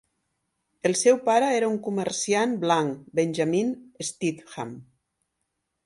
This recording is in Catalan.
El seu pare era un comerciant blanc, Benjamin Stidham.